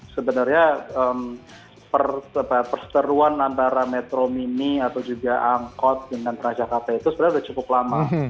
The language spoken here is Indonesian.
sebenarnya perseteruan antara metro mini atau juga angkot dengan transjakarta itu sebenarnya sudah cukup lama